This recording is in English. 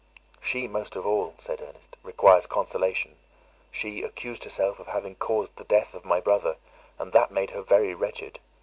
"She most of all," said Ernest, "requires consolation; she accused herself of having caused the death of my brother, and that made her very wretched.